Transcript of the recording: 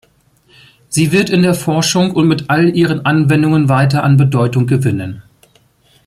Sie wird in der Forschung und mit all ihren Anwendungen weiter an Bedeutung gewinnen.